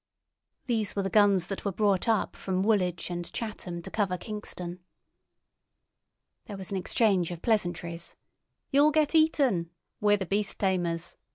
These were the guns that were brought up from Woolwich and Chatham to cover Kingston. There was an exchange of pleasantries: "You'll get eaten!" "We're the beast tamers!"